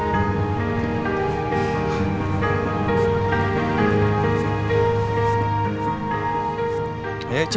kita harus juga mem service